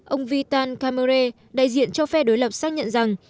ông vitan camer đại diện cho phe đối lập xác nhận rằng